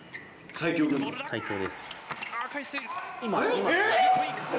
最強です。